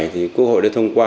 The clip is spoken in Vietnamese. thì quốc hội đã thông qua